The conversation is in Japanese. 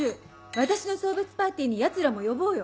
私の送別パーティーにヤツらも呼ぼうよ。